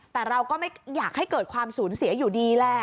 แต่เราก็ไม่อยากให้เกิดความสูญเสียอยู่ดีแหละ